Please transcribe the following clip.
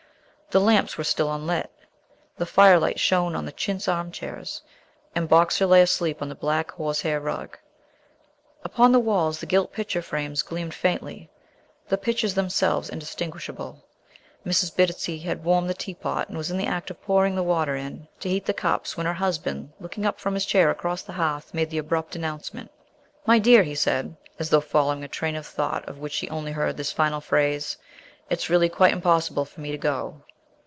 The lamps were still unlit. The fire light shone on the chintz armchairs, and Boxer lay asleep on the black horse hair rug. Upon the walls the gilt picture frames gleamed faintly, the pictures themselves indistinguishable. Mrs. Bittacy had warmed the teapot and was in the act of pouring the water in to heat the cups when her husband, looking up from his chair across the hearth, made the abrupt announcement: "My dear," he said, as though following a train of thought of which she only heard this final phrase, "it's really quite impossible for me to go."